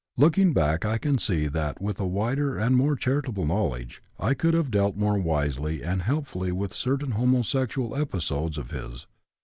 Looking back I can see that with a wider and more charitable knowledge I could have dealt more wisely and helpfully with certain homosexual episodes of his.